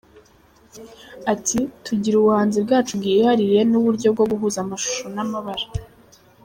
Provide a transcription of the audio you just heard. Ati “Tugira ubuhanzi bwacu bwihariye n’uburyo bwo guhuza amashusho n’amabara.